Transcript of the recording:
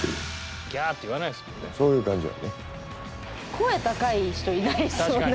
声高い人いないですよね。